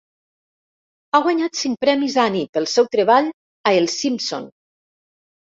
Ha guanyat cinc premis Annie pel seu treball a "Els Simpson".